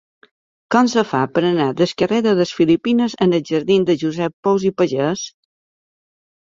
Com es fa per anar del carrer de les Filipines als jardins de Josep Pous i Pagès?